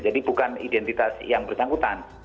jadi bukan identitas yang bersangkutan